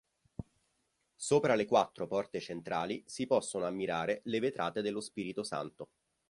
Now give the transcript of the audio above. Sopra le quattro porte centrali si possono ammirare le vetrate dello Spirito Santo.